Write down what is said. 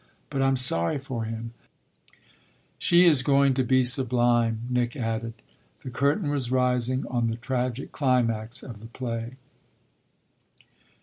But I'm sorry for him she is going to be sublime," Nick added. The curtain was rising on the tragic climax of the play.